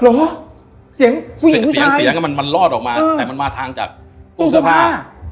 เหรอเสียงผู้หญิงผู้ชายเสียงมันรอดออกมาแต่มันมาทางจากตู้เสื้อผ้า